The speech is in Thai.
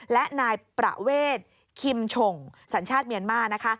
และนายประเวทคิมฉงสัญชาติเมียนมานะคะ